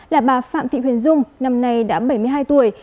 là bà phạm thị huyền dung năm nay đã bảy mươi hai tuổi